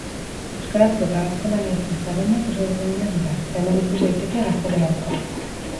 Euskarazko eta gaztelaniazko zerrendak oso desberdinak dira, eta hemen ikus daiteke gaztelerazkoa.